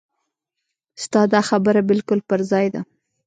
ستا دا خبره بالکل پر ځای ده.